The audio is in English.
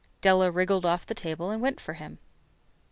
Della wriggled off the table and went for him.